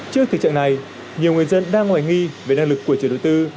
trước tình trạng này nhiều người dân đang ngoài nghi về năng lực của trường đối tư